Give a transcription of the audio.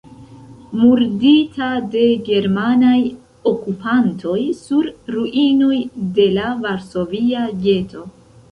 Murdita de germanaj okupantoj sur ruinoj de la Varsovia geto.